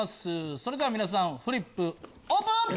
それでは皆さんフリップオープン！